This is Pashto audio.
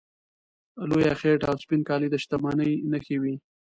لویه خېټه او سپین کالي د شتمنۍ نښې وې.